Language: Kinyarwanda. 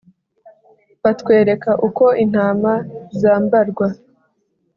batwereka uko intama zambarwa